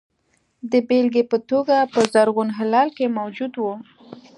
د بېلګې په توګه په زرغون هلال کې موجود وو.